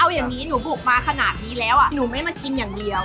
อย่างนี้หนูบุกมาขนาดนี้แล้วหนูไม่มากินอย่างเดียว